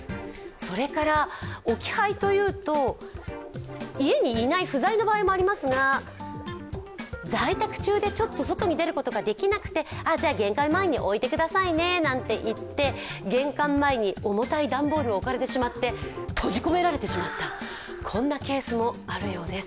それから置き配というと、家にいない、不在の場合もありますが在宅中で、ちょっと外に出ることができなくて玄関前に置いてくださいね、なんて言って玄関前に重たい段ボールが置かれてしまって閉じ込められてしまった、こんなケースもあるようです。